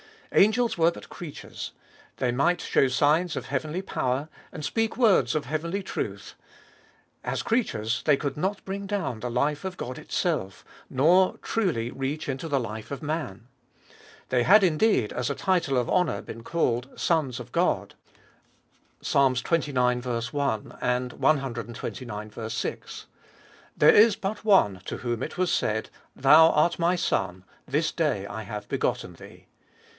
Angels were but creatures ; they might show signs of heavenly power, and speak words of heavenly truth; as creatures, they could not bring down the life of God itself, nor truly reach into the life of man. They had indeed as a title of honour been called " sons of God " (Ps. xxix. I, Ixxix. 6); there is but One to whom it was said, Thou art my Son ; this day I have begotten Thee.